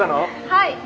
はい。